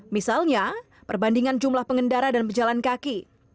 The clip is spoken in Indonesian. misalnya perbandingan jumlah pengendara dan pejalan kaki